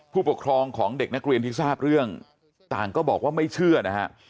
ผู้ปกครองของเด็กนักเรียนที่ทราบเรื่องต่างก็บอกว่าไม่เชื่อนะฮะ